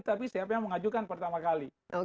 tapi siapa yang mengajukan pertama kali